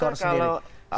saya rasa kalau orang